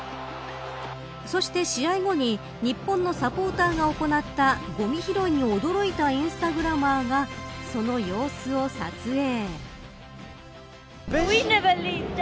そして試合後に日本のサポーターが行ったごみ拾いに驚いたインスタグラマーがその様子を撮影。